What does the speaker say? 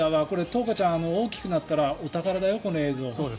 とうかちゃん、大きくなったらお宝だよ、この映像。